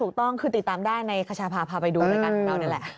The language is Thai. ถูกต้องคือติดตามได้ในคชาภาพาไปดูด้วยกัน